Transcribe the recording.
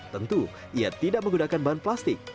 tentu ia tidak menggunakan bahan plastik